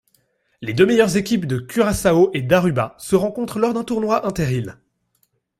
Les deux meilleures équipes de Curaçao et d'Aruba se rencontrent lors d'un tournoi inter-îles.